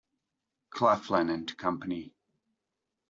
Claflin and Company.